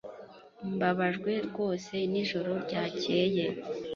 Mbabajwe rwose nijoro ryakeye.